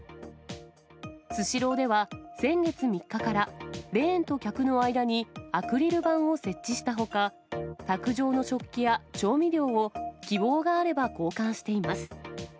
スシローでは、先月３日から、レーンと客の間にアクリル板を設置したほか、卓上の食器や調味料を、希望があれば交換しています。